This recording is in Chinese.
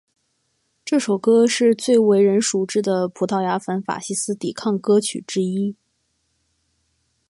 这首歌是最为人熟知的葡萄牙反法西斯抵抗歌曲之一。